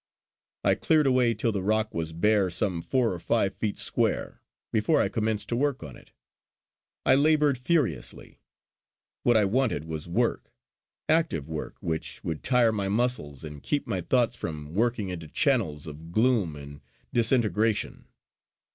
I cleared away till the rock was bare some four or five feet square, before I commenced to work on it. I laboured furiously. What I wanted was work, active work which would tire my muscles and keep my thoughts from working into channels of gloom and disintegration.